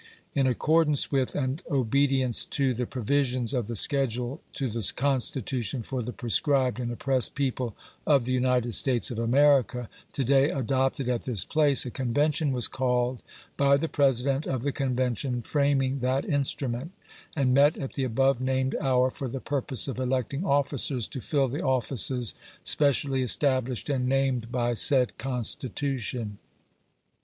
In accordance with, and obedience to, the provisions of the schedule to the Constitution for the proscribed and oppressed people " of the United States of America," to day adopted at this place, a Convention was called by the President of the Convention framing that instrument^ and met at tbe above named hour, for the purpose of electing officers to £11 the offices specially established and named by said Constitution.